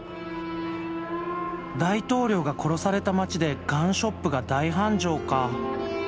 大統領が殺された街でガンショップが大繁盛かあ。